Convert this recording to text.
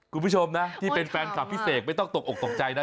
คุณผู้ชมนะที่เป็นแฟนคลับพี่เสกไม่ต้องตกออกตกใจนะ